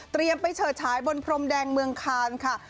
เตรียมไปเฉินช้ายบนพรมแดงเมืองคาร้า